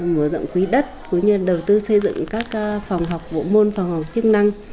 mở rộng quý đất cũng như đầu tư xây dựng các phòng học bộ môn phòng học chức năng